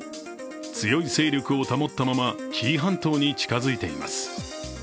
強い勢力を保ったまま紀伊半島に近付いています。